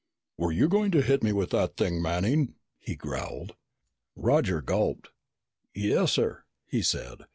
"Were you going to hit me with that thing, Manning?" he growled. Roger gulped. "Yes, sir," he said.